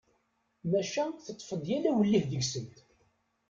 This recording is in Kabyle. Maca teṭṭef-d yal awellih deg-sent.